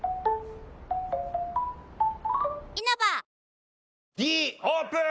「氷結」Ｄオープン！